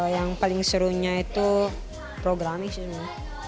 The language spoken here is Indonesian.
yang paling serunya itu programming sih